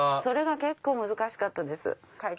それが結構難しかったです。